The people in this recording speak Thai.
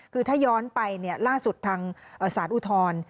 คือถ้าย้อนไปล่าสุดทางศาสตร์อุทร